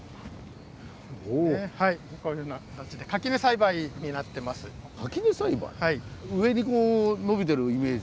はいこういうふうな形で垣根栽培？上に伸びてるイメージ？